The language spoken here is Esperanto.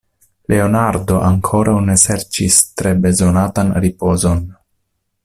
Leonardo ankoraŭ ne serĉis tre bezonatan ripozon.